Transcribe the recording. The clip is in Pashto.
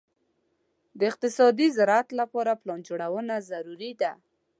د اقتصادي زراعت لپاره پلان جوړونه ضروري ده.